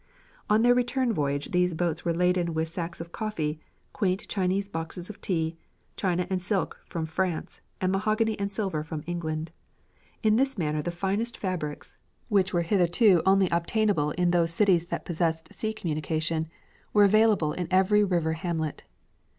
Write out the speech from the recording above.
On their return voyage these boats were laden with sacks of coffee, quaint Chinese boxes of tea, china and silk from France, and mahogany and silver from England. In this manner the finest fabrics, which were hitherto obtainable only in those cities that possessed sea communication, were available in every river hamlet.